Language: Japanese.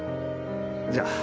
じゃあ。